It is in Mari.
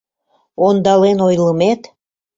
Ондален ойлымет?